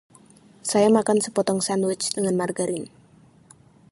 Saya makan sepotong sandwich dengan margarin.